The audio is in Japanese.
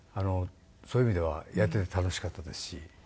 そういう意味ではやってて楽しかったですし。